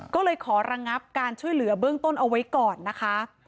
ก็เลยขอระงับการช่วยเหลือเบื้องต้นเอาไว้ก่อนนะคะ